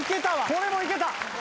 これもいけた。